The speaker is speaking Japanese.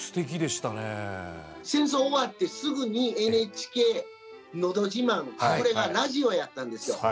戦争終わってすぐに「ＮＨＫのど自慢」これがラジオやったんですよ。